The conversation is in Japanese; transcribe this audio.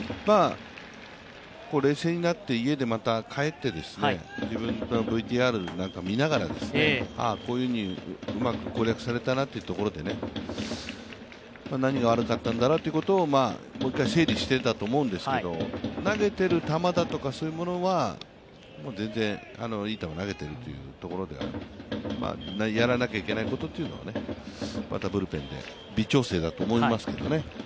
冷静になって家に帰って自分のＶＴＲなんか見ながら、ああこういうふうにうまく攻略されたなというところで何が悪かったんだろうともう一回整理していたんだと思うんですけれども投げてる球だとかそういうものは全然いい球投げてるというところでやらなきゃいけないことというのは、またブルペンで微調整だと思いますけどね。